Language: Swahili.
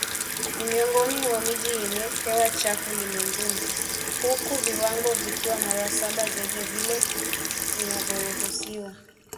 ni miongoni mwa miji yenye hewa chafu ulimwenguni huku viwango vikiwa mara saba zaidi ya vile vinavyoruhusiwa